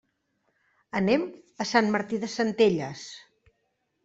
Anem a Sant Martí de Centelles.